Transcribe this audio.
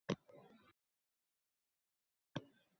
Tinmay